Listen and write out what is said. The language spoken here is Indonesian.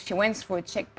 salah satu alasan kenapa